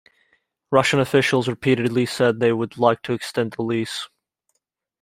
Russian officials repeatedly said they would like to extend the lease.